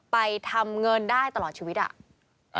ไปทำเงินได้ตลอดชีวิตอ่ะ